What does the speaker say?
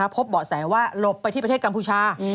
เบาะแสว่าหลบไปที่ประเทศกัมพูชา